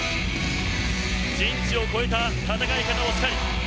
人知を超えた戦い方をしたい。